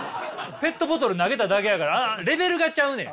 ペットボトル投げただけやからレベルがちゃうねん。